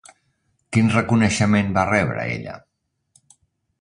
Quin reconeixement va rebre ella?